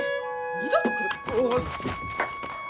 二度と来るか！